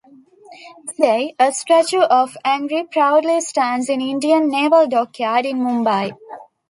Today, a statue of Angre proudly stands in Indian Naval Dockyard in Mumbai.